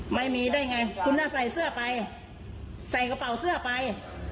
ไม่มีได้ไงคุณจะใส่เสื้อไปใส่กระเป๋าเสื้อไป